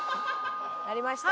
鳴りました。